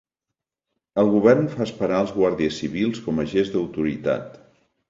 El govern fa esperar els Guàrdies Civils com a gest d'autoritat